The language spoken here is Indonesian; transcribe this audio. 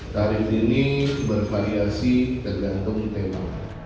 tarif ini bervariasi tergantung tema